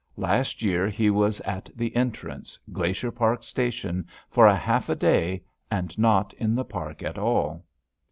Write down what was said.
Last year he was at the entrance, Glacier Park Station, for a half a day, and not in the park at all.